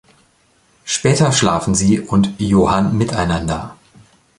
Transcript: Später schlafen sie und Johan miteinander.